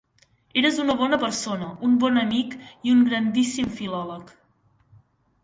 Eres una bona persona, un bon amic i un grandíssim filòleg.